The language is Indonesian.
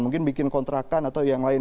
mungkin bikin kontrakan atau yang lain